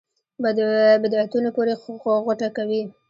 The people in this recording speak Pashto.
بدعتونو پورې غوټه کوي.